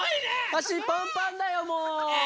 あしパンパンだよもう！